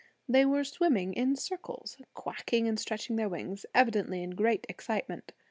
They were swimming in circles, quacking and stretching their wings, evidently in great excitement.